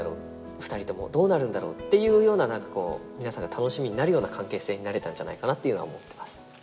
２人ともどうなるんだろう？っていうような何かこう皆さんが楽しみになるような関係性になれたんじゃないかなっていうのは思っています。